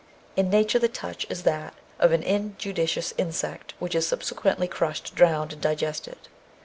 In nature the touch is that of an injudicious insect which is subsequently crushed, drowned, and digested.